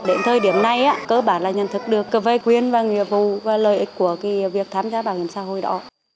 đến thời điểm này cơ bản là nhận thức được cơ vệ quyền và nghiệp vụ và lợi ích của việc tham gia bảo hiểm xã hội đó